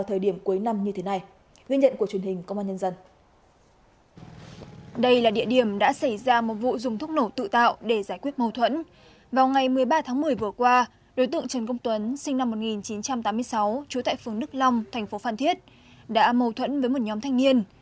trú tại phường đức long thành phố phan thiết đã mâu thuẫn với một nhóm thanh niên